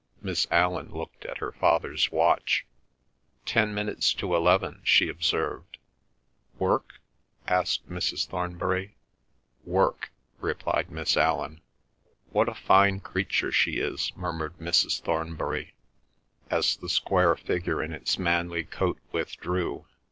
Miss Allan looked at her father's watch. "Ten minutes to eleven," she observed. "Work?" asked Mrs. Thornbury. "Work," replied Miss Allan. "What a fine creature she is!" murmured Mrs. Thornbury, as the square figure in its manly coat withdrew.